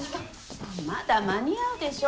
まだ間に合うでしょ。